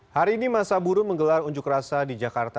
hari ini masa buruh menggelar unjuk rasa di jakarta